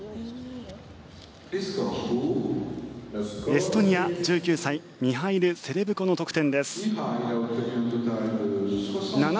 エストニア、１９歳ミハイル・セレブコの得点です。